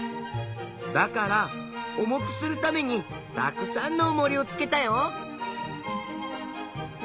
だから重くするためにたくさんのおもりをつけたよ。